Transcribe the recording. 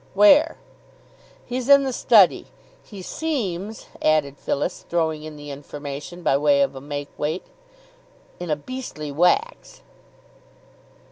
"Where?" "He's in the study. He seems " added Phyllis, throwing in the information by way of a make weight, "in a beastly wax."